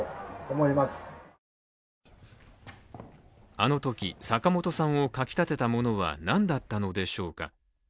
あのとき、坂本さんをかきたてたものは何だったのでしょうか。